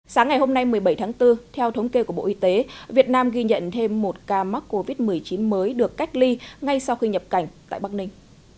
sáng ngày hôm nay một mươi bảy tháng bốn theo thống kê của bộ y tế việt nam ghi nhận thêm một ca mắc covid một mươi chín mới được cách ly ngay sau khi nhập cảnh tại bắc ninh